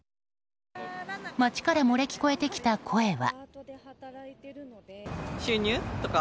街から漏れ聞こえてきた声は。